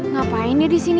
ngapain dia disini